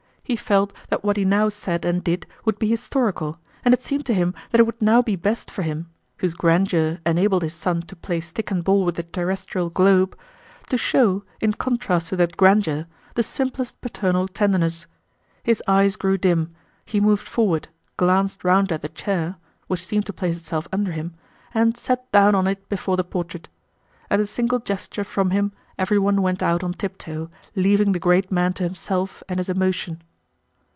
He felt that what he now said and did would be historical, and it seemed to him that it would now be best for him—whose grandeur enabled his son to play stick and ball with the terrestrial globe—to show, in contrast to that grandeur, the simplest paternal tenderness. His eyes grew dim, he moved forward, glanced round at a chair (which seemed to place itself under him), and sat down on it before the portrait. At a single gesture from him everyone went out on tiptoe, leaving the great man to himself and his emotion.